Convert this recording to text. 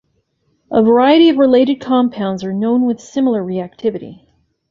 A variety of related compounds are known with similar reactivity.